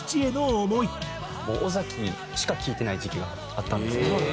尾崎しか聴いてない時期があったんです。